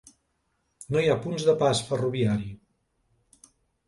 No hi ha punts de pas ferroviari.